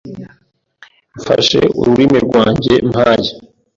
mfashe ururimi rwanjye maye